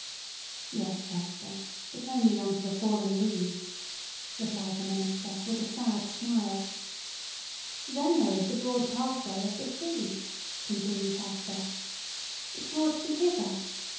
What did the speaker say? "Yes, Hester; but only under the fallen leaves!" replied the minister, with a sad smile. "Then there is the broad pathway of the sea!" continued Hester. "It brought thee hither.